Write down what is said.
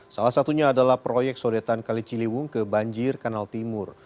salah satunya adalah proyek sodetan kali ciliwung ke banjir kanal timur